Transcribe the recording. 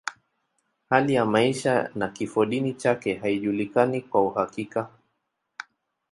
Hali ya maisha na kifodini chake haijulikani kwa uhakika.